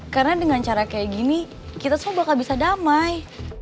karena dengan cara kayak gini kita semua bakal bisa damai